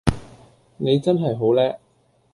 你真係好叻!